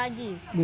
sampai enggak cager